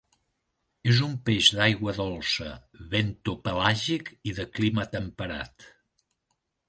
És un peix d'aigua dolça, bentopelàgic i de clima temperat.